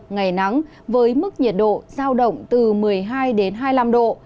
ngày nắng với mức nhiệt độ giao động từ một mươi hai đến hai mươi năm độ